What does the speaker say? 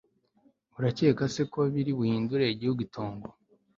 urakeka se ko biri buhindure igihugu itongo